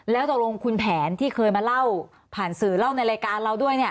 แล้วตกลงคุณแผนที่เคยมาเล่าผ่านสื่อเล่าในรายการเราด้วยเนี่ย